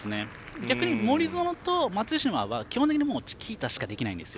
逆に森薗と松島は基本的にもうチキータしかできないんですよ。